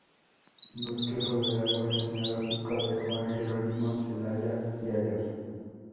Bosquejo del árbol genealógico de Juan Jerónimo Zelaya Fiallos.